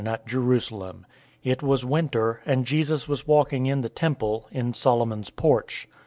} at Jerusalem. 010:023 It was winter, and Jesus was walking in the temple, in Solomon's porch.